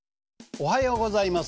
おはようございます。